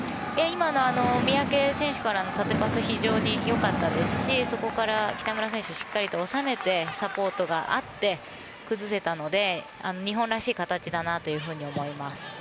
今の三宅選手からの縦パスは非常に良かったですしそこから北村選手しっかりと収めてサポートがあって崩せたので日本らしい形だなと思います。